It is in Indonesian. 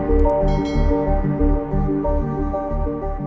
kalau sekarang kamu mau pergi meninggalkan aku